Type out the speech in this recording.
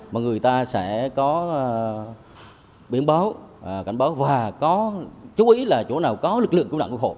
mà người ta sẽ có biển báo cảnh báo và có chú ý là chỗ nào có lực lượng cứu nặng của khu